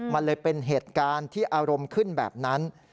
มันเลยเป็นเหตุการณ์ที่อารมณ์ขึ้นแบบนั้น